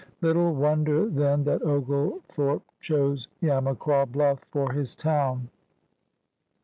Little wonder then that Oglethorpe chose Yamacraw Bluff for his town.